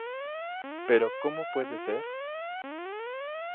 Pero ¿cómo puede ser?